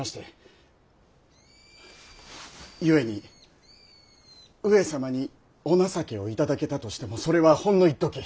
ゆえに上様にお情けを頂けたとしてもそれはほんのいっとき。